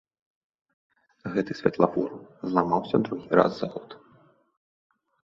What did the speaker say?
Гэты святлафор зламаўся другі раз за год.